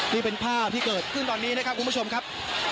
นี่เป็นภาพที่เกิดขึ้นตอนนี้นะครับคุณผู้ชมครับ